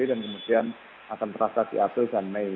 kemudian akan terasa di april dan mei